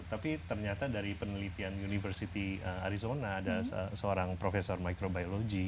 tapi ternyata dari penelitian university arizona ada seorang profesor microbiologi